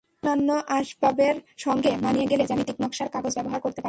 অন্যান্য আসবাবের সঙ্গে মানিয়ে গেলে জ্যামিতিক নকশার কাগজ ব্যবহার করতে পারেন।